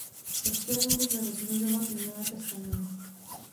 Rostlinu lze rozmnožovat nejlépe semeny.